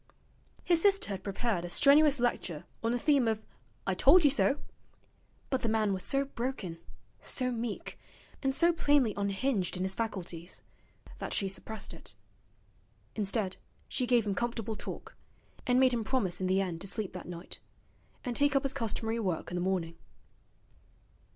His sister had prepared a strenuous lecture on the theme of 'I told you so'; but the man was so broken, so meek, and so plainly unhinged in his faculties, that she suppressed it. Instead, she gave him comfortable talk, and made him promise in the end to sleep that night, and take up his customary work in the morning.